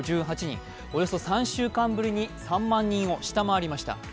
およそ３週間ぶりに３万人を下回りました。